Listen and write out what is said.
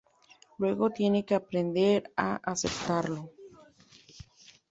Luego tiene que aprender a aceptarlo.